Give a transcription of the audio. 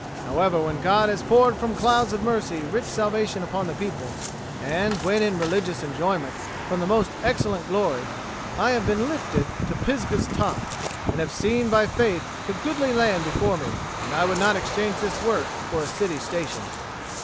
However, when God has poured from clouds of mercy rich salvation upon the people, and when in religious enjoyment, from the most excellent glory, I have been lifted to Pisgah's top, and have seen by faith the goodly land before me, I would not exchange this work for a city station."